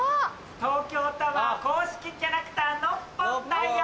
東京タワー公式キャラクターノッポンだよ。